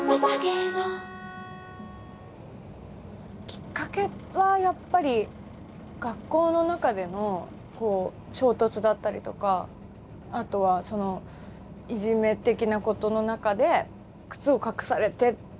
きっかけはやっぱり学校の中での衝突だったりとかあとはいじめ的なことの中で靴を隠されて。